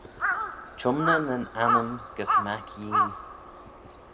Çhymney nyn annym gys mac Yee.